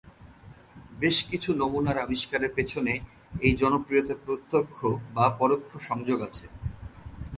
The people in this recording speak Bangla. বেশ কিছু নমুনার আবিষ্কারের পিছনে এই জনপ্রিয়তার প্রত্যক্ষ বা পরোক্ষ সংযোগ আছে।